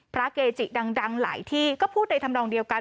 เกจิดังหลายที่ก็พูดในธรรมนองเดียวกัน